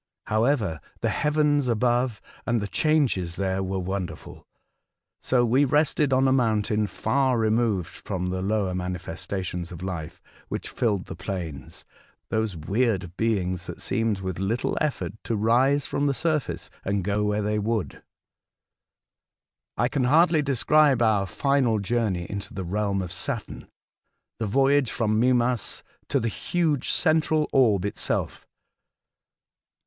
However, the heavens above and the changes there were wonderful. So we rested on a mountain far removed from the lower manifestations of life which filled the plains, — those wierd beings that seemed with little effort to rise from the surface and go where they would. I can hardly describe our final journey into the realm of Saturn — the voyage from Mimas to the huge central orb itself.